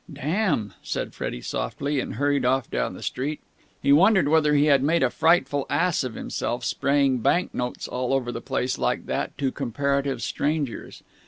"Damn!" said Freddie softly, and hurried off down the street. He wondered whether he had made a frightful ass of himself, spraying bank notes all over the place like that to comparative strangers.